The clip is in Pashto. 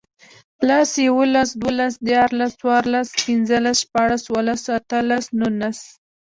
لس, یوولس, دوولس, دیرلس، څورلس, پنځلس, شپاړس, اووهلس, اتهلس, نونس